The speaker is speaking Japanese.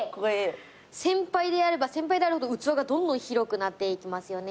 先輩であれば先輩であるほど器がどんどん広くなっていきますよね